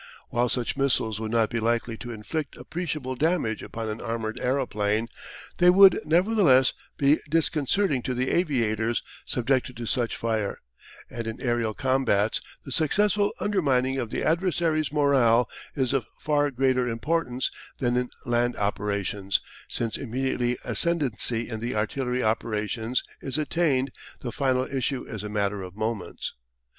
While such missiles would not be likely to inflict appreciable damage upon an armoured aeroplane, they would nevertheless be disconcerting to the aviators subjected to such fire, and in aerial combats the successful undermining of the adversary's moral is of far greater importance than in land operations, since immediately ascendancy in the artillery operations is attained the final issue is a matter of moments.